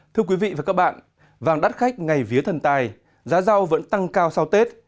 thưa quý vị và các bạn vàng đắt khách ngày vía thần tài giá rau vẫn tăng cao sau tết